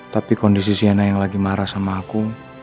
tapi kondisi siana yang lagi marah sama aku